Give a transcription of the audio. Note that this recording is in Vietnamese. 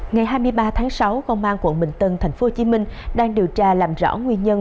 ngày hai mươi ba tháng sáu công an quận bình tân tp hcm đang điều tra làm rõ nguyên nhân